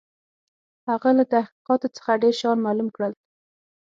هغه له تحقیقاتو څخه ډېر شيان معلوم کړل.